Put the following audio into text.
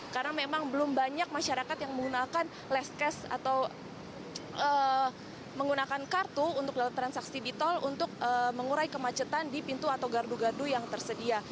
karena memang belum banyak masyarakat yang menggunakan last cash atau menggunakan kartu untuk transaksi di tol untuk mengurai kemacetan di pintu atau gardu gardu yang tersedia